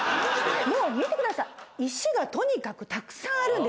もう見てください石がとにかくたくさんあるんですよ。